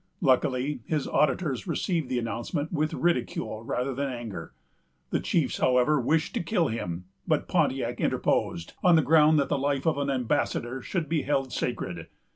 Luckily, his auditors received the announcement with ridicule rather than anger. The chiefs, however, wished to kill him; but Pontiac interposed, on the ground that the life of an ambassador should be held sacred.